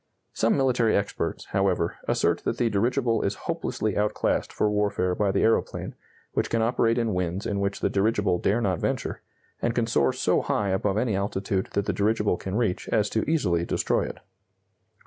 Some military experts, however, assert that the dirigible is hopelessly outclassed for warfare by the aeroplane, which can operate in winds in which the dirigible dare not venture, and can soar so high above any altitude that the dirigible can reach as to easily destroy it.